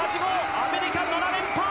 アメリカ、７連覇！